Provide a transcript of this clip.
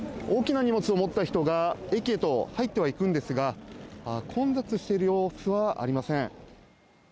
大きな荷物を持った人が駅へと入っては行くんですが、混雑している様子はありません。